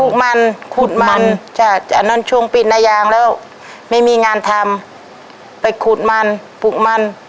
ลูกมันขุดมันจ้ะอันนั้นช่วงปิดนายางแล้วไม่มีงานทำไปขุดมันปลูกมัน